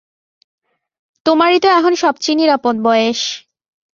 তোমারই তো এখন সব চেয়ে নিরাপদ বয়েস।